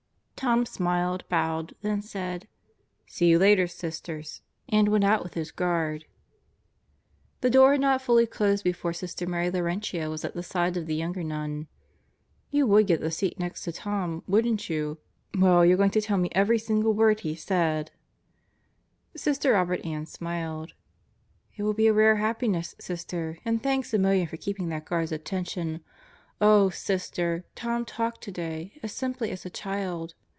Tom smiled, bowed, then said, "See you later, Sisters," and went out with his guard. The door had not fully closed before Sister Mary Laurentia was at the side of the younger nun. "You would get the seat next to Tom, wouldn't you? Well you're going to tell me every single word he saidl" Sister Robert Ann smiled. "It will be a rare happiness, Sister; and thanks a million for keeping that guard's attention. Oh, Sister, Tom talked today, as simply as a child.